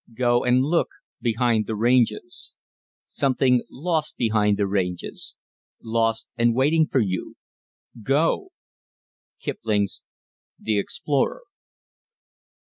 Go and look behind the Ranges Something lost behind the Ranges. Lost and waiting for you. Go!" Kipling's "The Explorer."